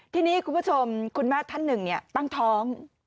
ทีนี้คุณผู้ชมคุณแม่ท่านหนึ่งตั้งท้อง